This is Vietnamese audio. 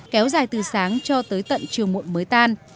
kéo dài từ sáng cho tới tận chiều muộn mới tan